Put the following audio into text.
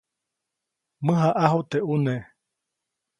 Mäjaʼaju teʼ ʼune.